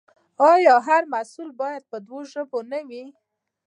آیا هر محصول باید په دواړو ژبو نه وي؟